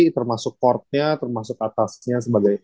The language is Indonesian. termasuk portnya termasuk atasnya